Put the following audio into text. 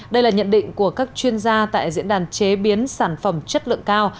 đây là nhận định của các chuyên gia tại diễn đàn chế biến sản phẩm chất lượng cao